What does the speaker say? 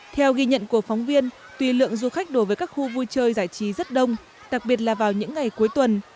theo ghi nhận của phóng viên tuy lượng du khách đổ với các khu vui chơi giải trí rất đông đặc biệt là vào những ngày cuối tuần